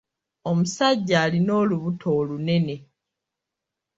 Omusajja alina olubuto olunene.